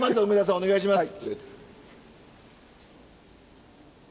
お願いします。